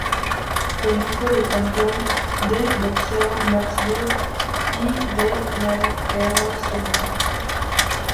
El hijo del campeón de boxeo Max Baer y de Mary Ellen Sullivan.